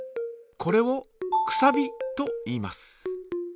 これを「くさび」といいます。